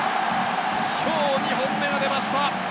今日２本目が出ました！